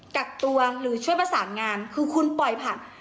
กักตัวหรือช่วยประสานงานคือคุณปล่อยผ่าน